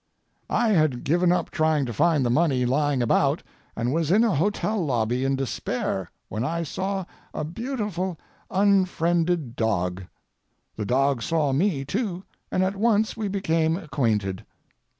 I had given up trying to find the money lying about, and was in a hotel lobby in despair, when I saw a beautiful unfriended dog. The dog saw me, too, and at once we became acquainted.